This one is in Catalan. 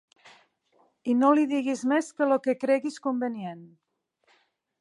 I no li digues més que lo que creguis convenient.